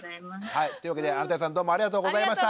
はいというわけで姉帶さんどうもありがとうございました。